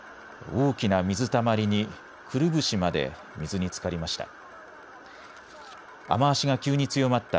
大きな水たまりにくるぶしまで水につかりました。